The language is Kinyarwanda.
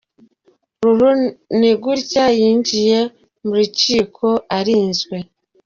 Lulu ni gutya yinjiye mu rukiko arinzwe!.